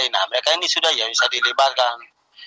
nah mereka ini sudah ya bisa dilibatkan